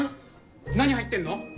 何入ってるの？